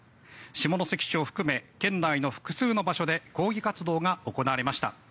下関市を含め県内の複数の場所で抗議活動が行われました。